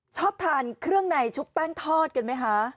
ชอบทานเครื่องในชุบแป้งทอดกันไหมคะ